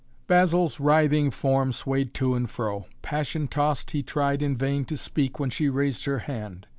Basil's writhing form swayed to and fro; passion tossed he tried in vain to speak when she raised her hand.